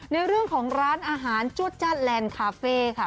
ในเรื่องของร้านอาหารจวดจั้นแลนด์คาเฟ่ค่ะ